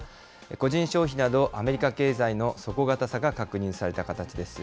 個人消費など、アメリカ経済の底堅さが確認された形です。